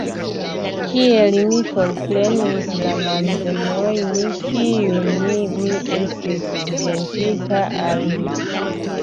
Kiel mi forprenis la malbenojn, kiujn mi estis ĵetinta al li!